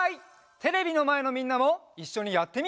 テレビのまえのみんなもいっしょにやってみよう！